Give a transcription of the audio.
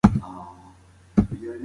موږ خپل رسم و رواج په ادبیاتو کې ساتو.